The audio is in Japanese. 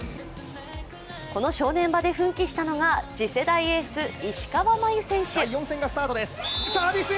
この正念場で奮起したのが次世代エース・石川真佑選手。